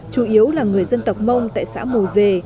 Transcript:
chủ yếu là người dân tộc mông tại xã mù dê